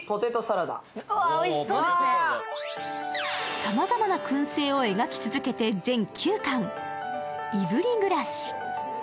さまざまなくん製を描き続けて全９巻、「いぶり暮らし」。